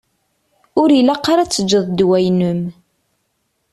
Ur ilaq ara ad teǧǧeḍ ddwa-inem.